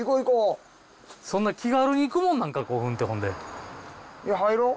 そんな気軽に行くもんなんか古墳ってほんで。